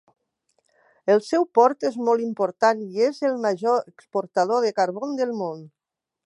El seu port és molt important i és el major exportador de carbó del món.